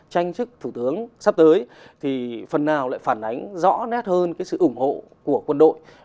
tranh chức thủ tướng sắp tới thì phần nào lại phản ánh rõ nét hơn cái sự ủng hộ của quân đội